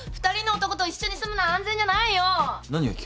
２人の男と一緒に住むのは安全じゃないよ！